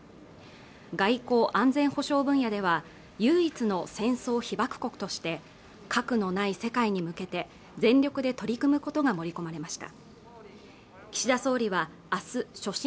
外交安全保障分野では唯一の戦争被爆国として核のない世界に向けて全力で取り組むことが盛り込まれました